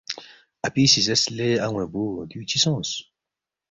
اپی سی زیرس، لے ان٘وے بُو دیُو چِہ سونگس؟